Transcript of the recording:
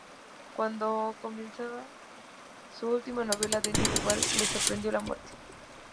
Cuando comenzaba su última novela, "Denis Duval", le sorprendió la muerte.